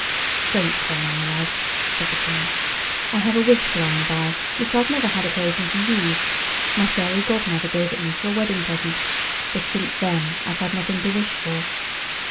"Don't cry, my love," said the King. "I have a wish lying by, which I've never had occasion to use. My fairy godmother gave it me for a wedding present, but since then I've had nothing to wish for!"